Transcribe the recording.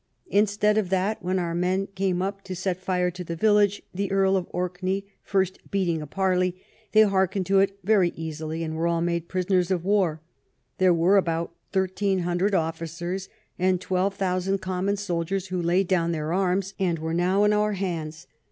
Instead of that, when our men came up to set fire to the village, the Earl of Orkney first beating a parley, they hearkened to it very easily, and were all made prisoners of war ; there were about thirteen hundred officers and twelve thousand common soldiers, who laid down their arms, and were now in our hands.